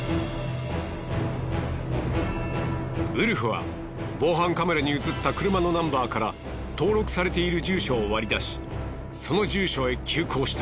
ウルフは防犯カメラに映った車のナンバーから登録されている住所を割り出しその住所へ急行した。